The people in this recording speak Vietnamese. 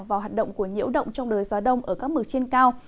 vào hoạt động của nhiễu động trong đời gió đông ở các mực trên cao